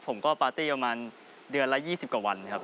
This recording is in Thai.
ปาร์ตี้ประมาณเดือนละ๒๐กว่าวันครับ